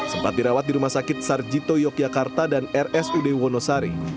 sempat dirawat di rumah sakit sarjito yogyakarta dan rs udehwono sari